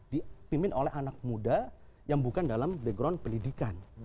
dipimpin oleh anak muda yang bukan dalam background pendidikan